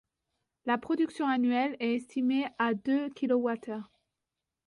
La production annuelle est estimée à de kWh.